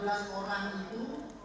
yang dua belas orang itu